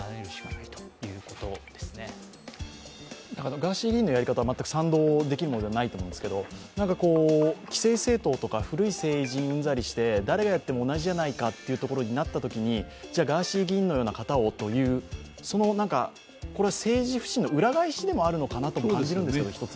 ガーシー議員のやり方は全く賛同できるものではないと思うんですけど既成政党とか古い政治にうんざりして誰がやっても同じじゃないかとなったときに、ガーシー議員のような方をという、政治不信の裏返しでもあるのかなと感じるんですけど。